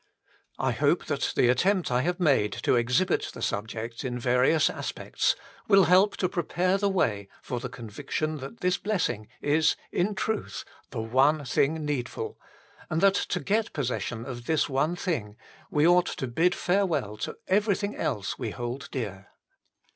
I hope that the attempt I have made to exhibit the subject in various aspects will help to prepare the way for the conviction that this blessing is in truth the one thing needful, and that to get possession of this one thing we ought to bid farewell to everything else we hold dear.